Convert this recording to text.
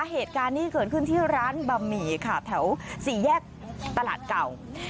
เหตุการณ์นี้เกิดขึ้นที่ร้านบะหมี่ค่ะแถวสี่แยกตลาดเก่า